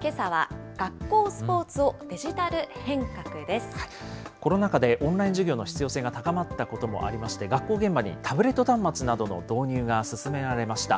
けさは学校スポーツをデジタル変コロナ禍でオンライン授業の必要性が高まったこともありまして、学校現場にタブレット端末などの導入が進められました。